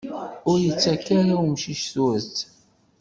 Ur ittak ara umcic turet.